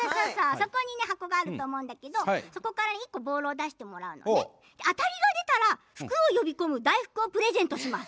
そこに箱があると思うんだけどそこから１個ボールを出してもらって当たりが出たら福を呼び込む大福をプレゼントします。